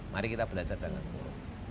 mari kita belajar jangan korup